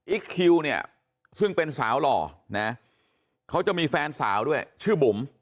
คิวเนี่ยซึ่งเป็นสาวหล่อนะเขาจะมีแฟนสาวด้วยชื่อบุ๋ม